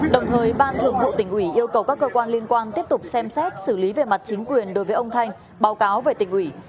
đồng thời ban thường vụ tỉnh ủy yêu cầu các cơ quan liên quan tiếp tục xem xét xử lý về mặt chính quyền đối với ông thanh báo cáo về tỉnh ủy